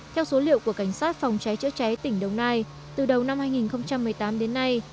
theo số liệu của cảnh sát phòng cháy chữa cháy tỉnh đồng nai từ đầu năm hai nghìn một mươi tám đến nay